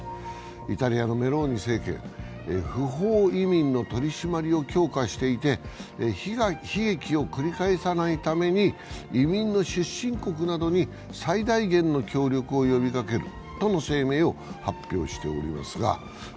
イタリアのメローニ政権不法移民の取締りを強化していて悲劇を繰り返さないために移民の出身国などに最大限の協力を呼びかけるとの声明を発表しています。